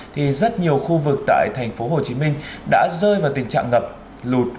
thì rất nhiều khu vực tại tp hcm đã rơi vào tình trạng ngập lụt